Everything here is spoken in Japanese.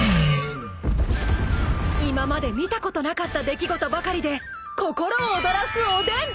［今まで見たことなかった出来事ばかりで心躍らすおでん］